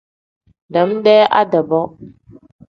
Dam-dee ade-bo.